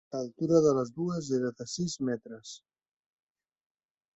L'altura de les dues era de sis metres.